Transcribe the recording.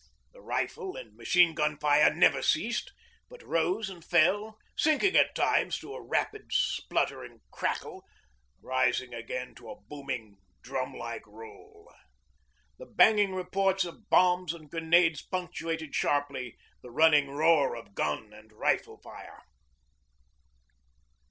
The rifle and machine gun fire never ceased, but rose and fell, sinking at times to a rapid spluttering crackle, rising again to a booming drum like roll. The banging reports of bombs and grenades punctuated sharply the running roar of gun and rifle fire.